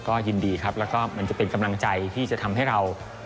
ก็ยินดีครับแล้วก็มันจะเป็นกำลังใจที่จะทำให้เรา